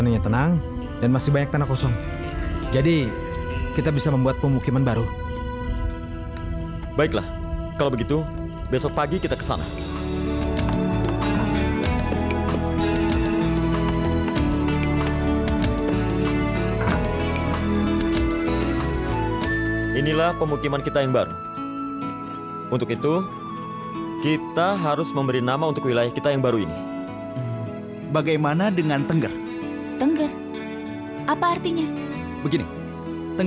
untuk sebuah pemukiman yang baru harus mempunyai ketua atau pemimpin